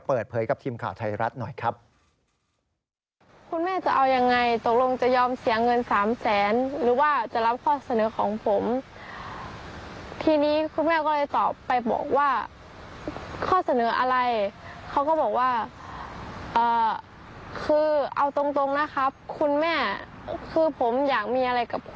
เปิดเผยกับทีมข่าวไทยรัฐหน่อยครับ